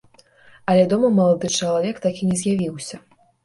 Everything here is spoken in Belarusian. Але дома малады чалавек так і не з'явіўся.